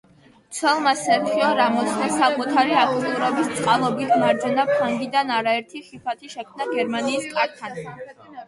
მცველმა სერხიო რამოსმა საკუთარი აქტიურობის წყალობით, მარჯვენა ფლანგიდან არაერთი ხიფათი შექმნა გერმანიის კართან.